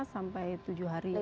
lima sampai tujuh hari